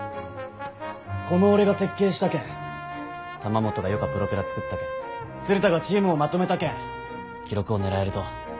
この俺が設計したけん玉本がよかプロペラ作ったけん鶴田がチームをまとめたけん記録を狙えると。